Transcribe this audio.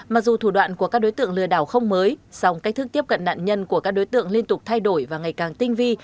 mặc dù thủ đoạn của các đối tượng lừa đảo không mới song cách thức tiếp cận nạn nhân của các đối tượng liên tục thay đổi và ngày càng tinh vi